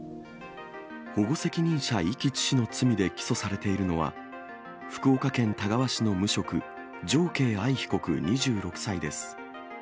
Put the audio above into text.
保護責任者遺棄致死の罪で起訴されているのは、福岡県田川市の無職、常慶藍被告２６歳です。